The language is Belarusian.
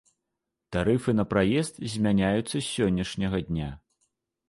Тарыфы на праезд змяняюцца з сённяшняга дня.